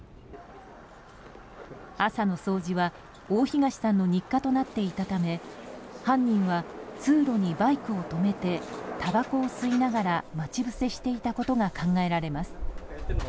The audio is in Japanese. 朝の掃除は大東さんの日課となっていたため犯人は、通路にバイクを止めてたばこを吸いながら待ち伏せしていたことが考えられます。